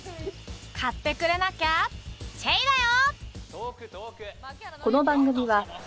買ってくれなきゃチェイだよ！